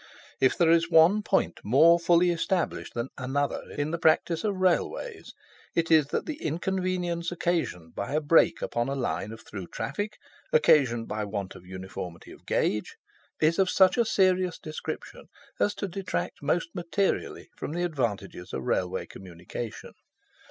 If there is one point more fully established than another in the practice of Railways, it is that the inconvenience occasioned by a break upon a line of through traffic, occasioned by want of uniformity of gauge, is of such a serious description as to detract most materially from the advantages of Railway communication.